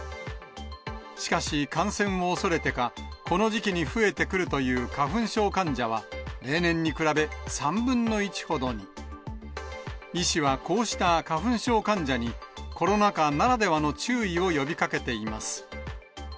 しかし感染を恐れてか、この時期に増えてくるという花粉症患者は、例年に比べ３分の１ほどに。医師はこうした花粉症患者に、コロナ禍ならではの注意を呼びかけています。